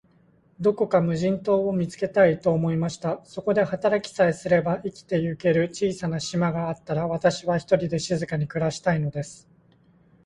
どこか無人島を見つけたい、と思いました。そこで働きさえすれば、生きてゆける小さな島があったら、私は、ひとりで静かに暮したいのです。